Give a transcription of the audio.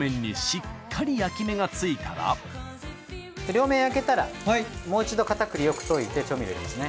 両面焼けたらもう一度片栗よく溶いて調味料入れますね。